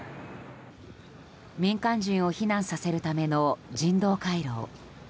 民間人を避難させるための人道回廊。